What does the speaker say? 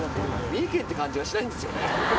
三重県って感じがしないんですよね。